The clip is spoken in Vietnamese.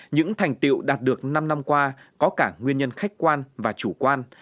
những thành tiệu đạt được năm năm qua có cả nguyên nhân khách quan và chủ quan